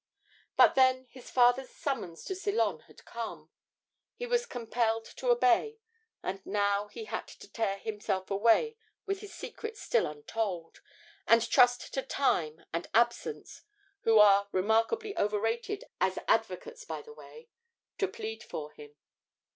But then his father's summons to Ceylon had come he was compelled to obey, and now he had to tear himself away with his secret still untold, and trust to time and absence (who are remarkably overrated as advocates by the way) to plead for him.